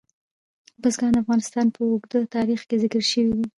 بزګان د افغانستان په اوږده تاریخ کې ذکر شوی دی.